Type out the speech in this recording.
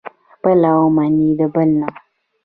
خپله ومني، د بل نه.